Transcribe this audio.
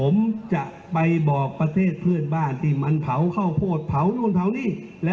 มาที่ฟังไทยแม้จะฝากเดียวครับ